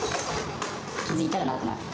気付いたらなくなってた。